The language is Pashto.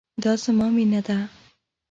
دا زما مينه ده